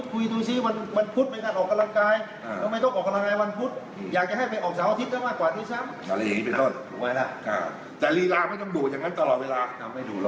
แล้วคุณจะเอาได้ยังไงทุกวันหน้าลืมคิวเข้าหมดทุกวัน